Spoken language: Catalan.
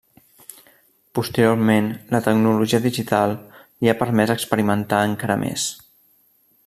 Posteriorment, la tecnologia digital li ha permès experimentar encara més.